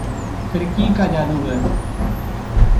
फिरकी का जादूगर